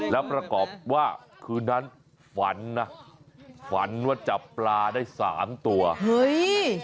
แล้วประกอบว่าคืนนั้นฝันนะฝันว่าจับปลาได้สามตัวเฮ้ย